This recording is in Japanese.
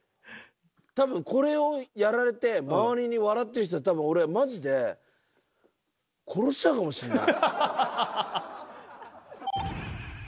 たぶんこれをやられて、周りに笑ってる人、たぶん、俺、マジで殺しちゃうかもしれない。